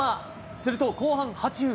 すると後半８分。